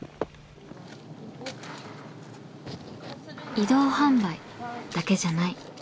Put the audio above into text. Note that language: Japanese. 移動販売だけじゃない。